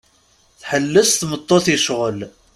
Tḥelles tmeṭṭut i ccɣel.